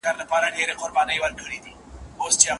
راست اوسه په لویه لار کي ناست اوسه.